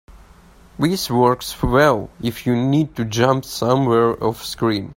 This works well if you need to jump somewhere offscreen.